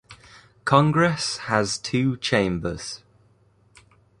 Congress has two chambers.